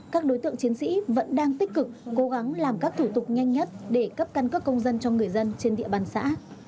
các đối tượng chiến sĩ vẫn đang tích cực cố gắng làm các thủ tục nhanh nhất để cấp căn cước công dân cho người dân trên địa bàn xã